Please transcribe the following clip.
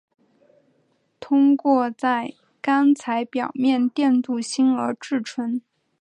通过在钢材表面电镀锌而制成。